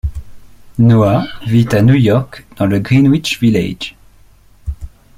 Noah vit à New York, dans le Greenwich Village.